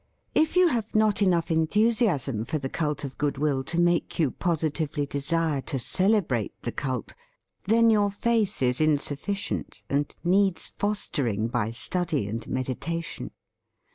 If you have not enough enthusiasm for the f37] THE FEAST OF ST FRIEND cult of goodwill to make you positively desire to celebrate the cult, then your faith is insufficient and needs fostering by study and meditation.